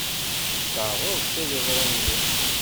Terreẓ tiliẓri-nni.